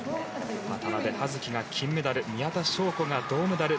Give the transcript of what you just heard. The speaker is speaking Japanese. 渡部葉月が金メダル宮田笙子が銅メダル。